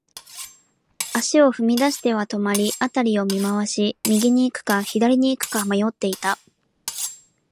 足を踏み出しては止まり、辺りを見回し、右に行くか、左に行くか迷っていた。